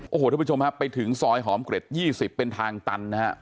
โอ้โหทุกผู้ชมครับไปถึงซอยหอมเกร็ด๒๐เป็นทางตันนะฮะ